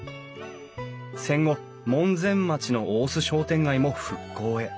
戦後門前町の大須商店街も復興へ。